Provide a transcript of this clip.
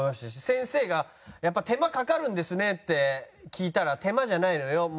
先生が「やっぱり手間かかるんですね？」って聞いたら「手間じゃないのよ。